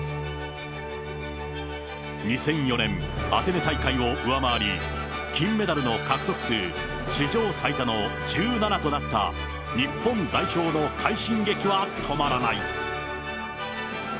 ２００４年、アテネ大会を上回り、金メダルの獲得数史上最多の１７となった日本代表の快進撃は止まらない。